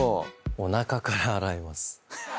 おなかから洗います。